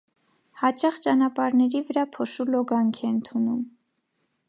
Հաճախ ճանապարհների վրա փոշու լոգանք է ընդունում։